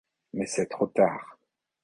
Mais c’est trop tard.